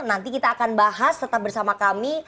nanti kita akan bahas tetap bersama kami